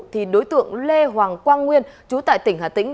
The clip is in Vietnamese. thì đối tượng lê hoàng quang nguyên chú tại tỉnh hà tĩnh